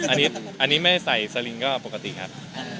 อันนี้ไม่ใส่สลิงก็ปกติครับ